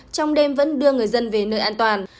trong đêm vẫn đưa người dân về nơi an toàn